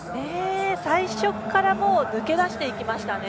最初から抜け出していきましたね。